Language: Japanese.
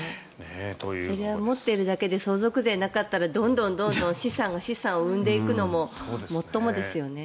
それは持っているだけで相続税なかったらどんどん資産が資産を生んでいくにももっともですよね。